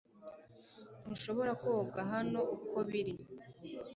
Ntushobora koga hano uko biri